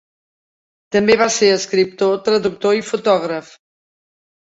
També va ser escriptor, traductor i fotògraf.